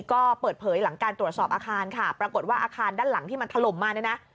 ก็เปิดเผยหลังการตรวจสอบอาคารค่ะปรากฏว่าอาคารด้านหลังที่มันถล่มมาเนี่ยนะ